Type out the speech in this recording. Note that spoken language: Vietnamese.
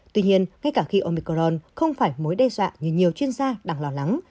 tuy nhiên ngay cả khi omicron không phải mối đe dọa như nhiều chuyên gia đang lo lắng